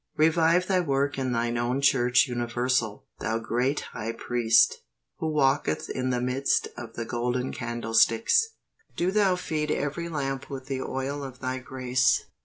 Revive Thy work in Thine own Church universal, Thou great High Priest, who walketh in the midst of the golden candlesticks. Do Thou feed every lamp with the oil of Thy grace.